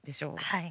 はい。